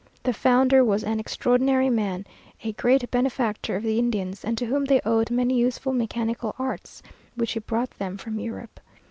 The founder was an extraordinary man, a great benefactor of the Indians, and to whom they owed many useful mechanical arts which he brought them from Europe.